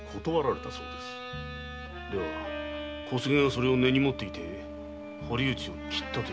では「小菅がそれを根に持って堀内を斬った」と？